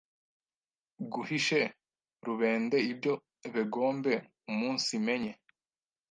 guhishe rubende ibyo begombe umunsimenye.